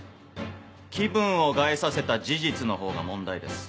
気分を害させた事実のほうが問題です。